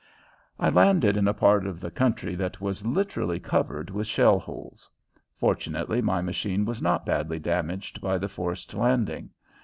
I landed in a part of the country that was literally covered with shell holes. Fortunately my machine was not badly damaged by the forced landing.